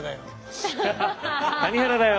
谷原だよ。